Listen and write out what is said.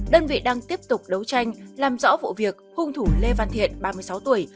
đơn vị đang tiếp tục đấu tranh làm rõ vụ việc hung thủ lê văn thiện ba mươi sáu tuổi